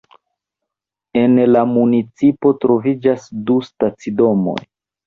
En la municipo troviĝas du stacidomoj.